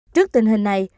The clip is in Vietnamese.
trước tình hình này